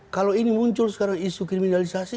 kalau ini muncul sekarang isu kriminalisasi